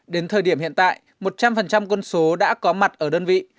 đến thời điểm hiện tại một trăm linh quân số đã có mặt ở đơn vị